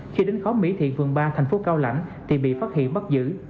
khi đến khóm mỹ thiện vườn ba thành phố cao lãnh thì bị phát hiện bắt giữ